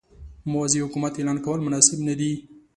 موازي حکومت اعلان کول مناسب نه دي.